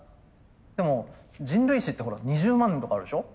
でも人類史ってほら２０万年とかあるでしょ。